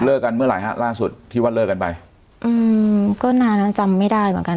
กันเมื่อไหร่ฮะล่าสุดที่ว่าเลิกกันไปอืมก็นานแล้วจำไม่ได้เหมือนกัน